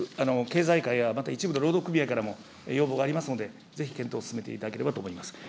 経済界や、また一部の労働組合からも要望がありますので、ぜひ検討を進めていただければと思います。